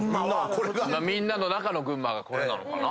みんなの中の群馬がこれなのかな？